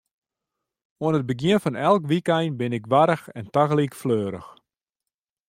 Oan it begjin fan elk wykein bin ik warch en tagelyk fleurich.